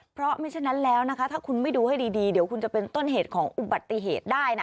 เพราะไม่ฉะนั้นแล้วนะคะถ้าคุณไม่ดูให้ดีเดี๋ยวคุณจะเป็นต้นเหตุของอุบัติเหตุได้นะ